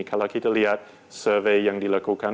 kalau kita lihat survei yang dilakukan